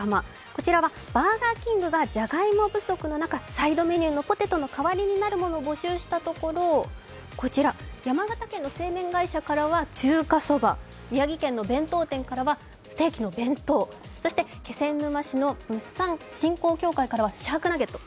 こちらはバーガーキングがじゃがいも不足の中、サイドメニューのポテトの代わりになるものを募集したところ、山形県の製麺会社からは中華そば、宮城県の弁当店からはステーキの弁当、そして、気仙沼市の物産振興協会からはシャークナゲット。